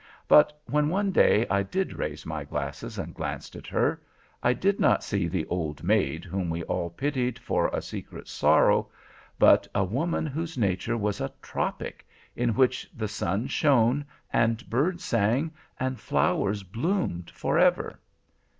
But when, one day, I did raise my glasses and glanced at her, I did not see the old maid whom we all pitied for a secret sorrow, but a woman whose nature was a tropic, in which the sun shone, and birds sang, and flowers bloomed forever.